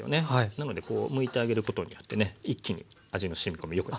なのでこうむいてあげることによってね一気に味のしみ込み良くなってきます。